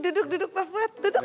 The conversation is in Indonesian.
duduk duduk pak buat duduk